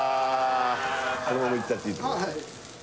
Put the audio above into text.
このままいっちゃっていい？